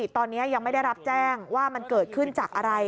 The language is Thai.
ตอนนี้ยังไม่ได้รับแจ้งว่ามันเกิดขึ้นจากอะไร